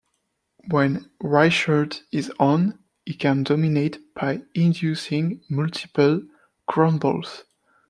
When Reichert is "on", he can dominate by inducing multiple groundballs.